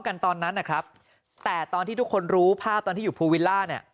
กันตอนนั้นนะครับแต่ตอนที่ทุกคนรู้ภาพตอนที่อยู่ภูวิลล่าเนี่ย